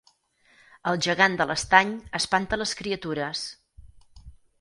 El gegant de l'Estany espanta les criatures